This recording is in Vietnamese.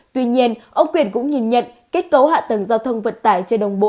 tuy nhiên ông quyền cũng nhìn nhận kết cấu hạ tầng giao thông vận tải chưa đồng bộ